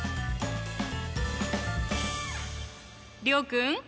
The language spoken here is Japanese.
諒君！